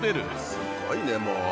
すごいねもう。